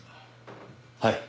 はい。